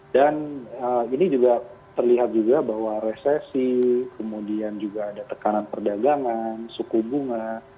dan ini juga terlihat juga bahwa resesi kemudian juga ada tekanan perdagangan suku bunga